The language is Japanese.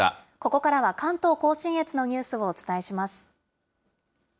ここからは、関東甲信越のニュースをお伝えします。